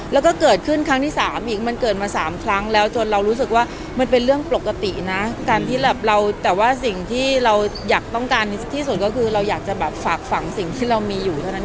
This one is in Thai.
แล้วก็เกิดขึ้นครั้งที่๓อีกมันเกิดมา๓ครั้งแล้วจนเรารู้สึกว่ามันเป็นเรื่องปกตินะการที่แบบเราแต่ว่าสิ่งที่เราอยากต้องการที่สุดก็คือเราอยากจะแบบฝากฝังสิ่งที่เรามีอยู่เท่านั้นเอง